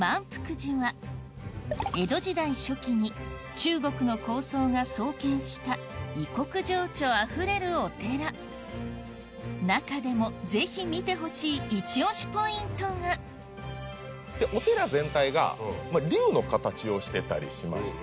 江戸時代初期に中国の高僧が創建した異国情緒あふれるお寺中でもぜひ見てほしいイチ押しポイントがお寺全体が龍の形をしてたりしまして。